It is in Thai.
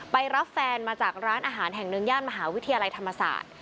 รับแฟนมาจากร้านอาหารแห่งหนึ่งย่านมหาวิทยาลัยธรรมศาสตร์